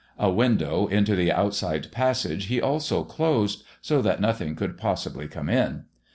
A window into the outside passage he also closed, so that nothing could possibly come in.